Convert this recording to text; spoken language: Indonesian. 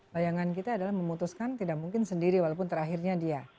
bayangan kita adalah memutuskan tidak mungkin sendiri walaupun terakhirnya dia